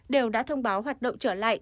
đều đã thông báo hoạt động trở lại